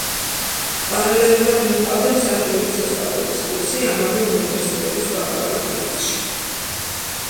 პარალელურად მიჰყავდა მსახიობის ოსტატობის კურსი ამავე უნივერსიტეტის ბაკალავრიატში.